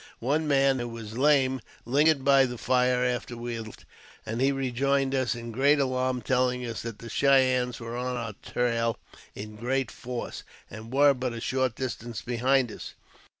One man, who was lame, lingered by the fire after we had left, and he rejoined us in great alarm, telling us that the Cheyennes were on our trail in great force, and were but a short distance behind us.